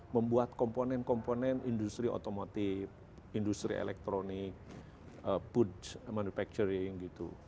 membuat komponen komponen industri otomotif industri elektronik putch manufacturing gitu